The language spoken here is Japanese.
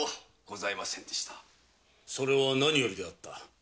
それは何よりであった。